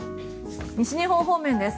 西日本方面です。